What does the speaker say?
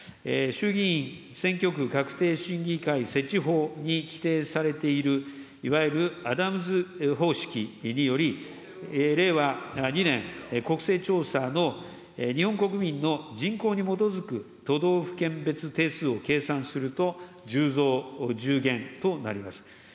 衆議院選挙区画定審議会設置法に規定されている、いわゆるアダムズ方式により、令和２年国勢調査の日本国民の人口に基づく都道府県別定数を計算すると、１０増１０減となります。